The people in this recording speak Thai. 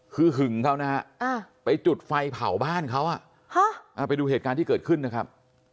คือหึงเขานะฮะไปจุดไฟเผาบ้านเขาไปดูเหตุการณ์ที่เกิดขึ้นนะครับ